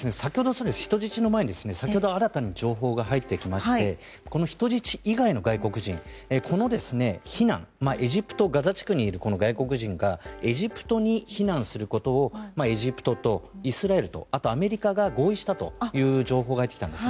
人質の前に先ほど新たな情報が入ってきまして、人質以外の外国人、避難エジプト、ガザ地区にいる外国人がエジプトに避難することをエジプトとイスラエルとあとアメリカが合意したという情報が入ってきたんです。